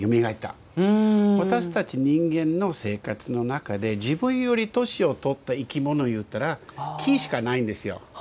私たち人間の生活の中で自分より年をとった生き物ゆうたら木しかないんですよ。